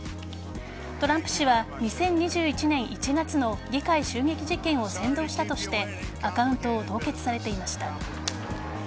トランプ氏は２０２１年１月の議会襲撃事件を扇動したとしてアカウントを凍結されていました。